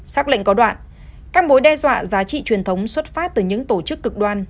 xác lệnh có đoạn các mối đe dọa giá trị truyền thống xuất phát từ những tổ chức cực đoan